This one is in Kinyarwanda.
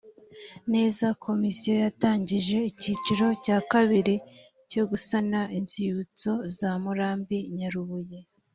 neza komisiyo yatangije icyiciro cya kabiri cyo gusana inzibutso za murambi nyarubuye